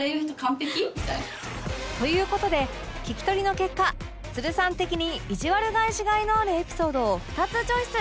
という事で聞き取りの結果つるさん的にいじわる返しがいのあるエピソードを２つチョイス。